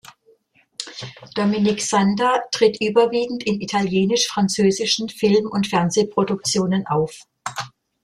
Dominique Sanda tritt überwiegend in italienisch-französischen Film- und Fernsehproduktionen auf.